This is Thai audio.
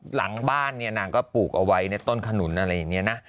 หลังบ้านเนี่ยนางก็ปลูกเอาไว้ในต้นขนุนอะไรอย่างนี้นะ